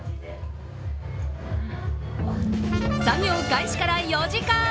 作業開始から４時間。